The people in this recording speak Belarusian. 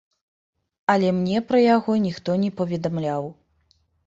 Але мне пра яго ніхто не паведамляў.